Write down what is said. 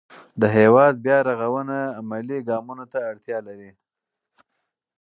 د هېواد بیا رغونه عملي ګامونو ته اړتیا لري.